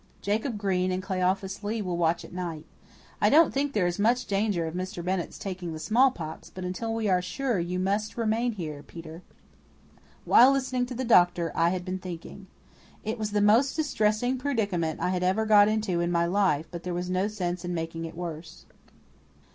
Jacob Green and Cleophas Lee will watch at night. I don't think there is much danger of Mr. Bennett's taking the smallpox, but until we are sure you must remain here, Peter." While listening to the doctor I had been thinking. It was the most distressing predicament I had ever got into in my life, but there was no sense in making it worse.